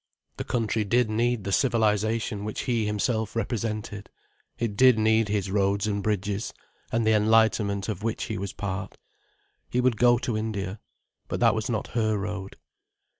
The country did need the civilization which he himself represented: it did need his roads and bridges, and the enlightenment of which he was part. He would go to India. But that was not her road.